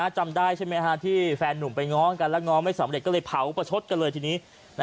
จำได้ใช่ไหมฮะที่แฟนหนุ่มไปง้อกันแล้วง้อไม่สำเร็จก็เลยเผาประชดกันเลยทีนี้